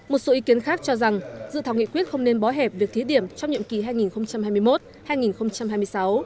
một số ý kiến khác cho rằng dự thảo nghị quyết không nên bó hẹp việc thí điểm trong nhiệm kỳ hai nghìn hai mươi một hai nghìn hai mươi sáu